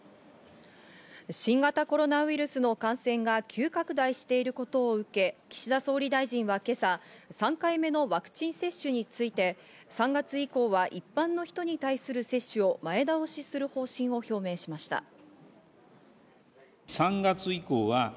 新型コロナウイルスの感染が急拡大していることを受け、岸田総理大臣は今朝、３回目のワクチン接種について３月以降は一般の人に対する接種を前倒しする方針を表明しました。